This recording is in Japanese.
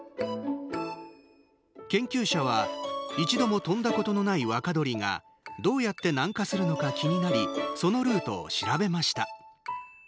研究者は一度も飛んだことのない若鳥がどうやって南下するのか気になりそのルートを調べました。